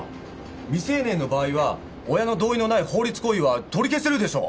未成年の場合は親の同意のない法律行為は取り消せるでしょ！